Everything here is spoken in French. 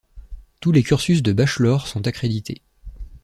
Tous les cursus de bachelor sont accrédités.